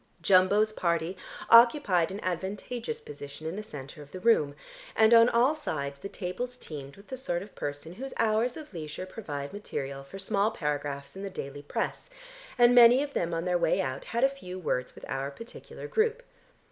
Jumbo's party occupied an advantageous position in the centre of the room, and on all sides the tables teemed with the sort of person whose hours of leisure provide material for small paragraphs in the daily press, and many of them on their way out had a few words with our particular group.